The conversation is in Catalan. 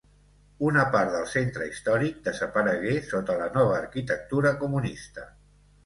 Una part del centre històric desaparegué sota la nova arquitectura comunista.